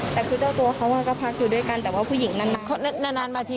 แต่คือเจ้าตัวเขาก็พักอยู่ด้วยกันแต่ว่าผู้หญิงนานมาที